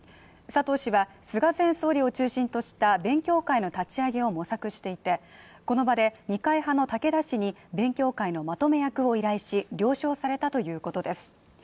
佐藤氏は菅前総理を中心とした勉強会の立ち上げを模索していてこの場で二階派の武田氏に勉強会のまとめ役を依頼し了承されたということです。